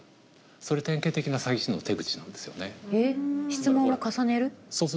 それ典型的な詐欺師の手口なんですよね。